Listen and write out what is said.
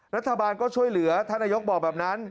รัฐบาลก็ช่วยเหลือท่านนายกบอกแบบนั้น